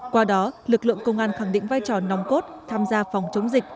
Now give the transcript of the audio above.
qua đó lực lượng công an khẳng định vai trò nòng cốt tham gia phòng chống dịch